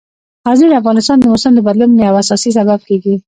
غزني د افغانستان د موسم د بدلون یو اساسي سبب کېږي.